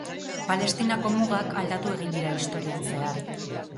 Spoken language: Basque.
Palestinako mugak aldatu egin dira historian zehar.